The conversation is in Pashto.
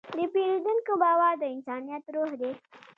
د پیرودونکي باور د انسانیت روح دی.